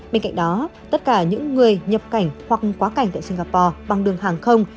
bên cạnh đó tất cả những người nhập cảnh hoặc quá cảnh tại singapore bằng đường hàng không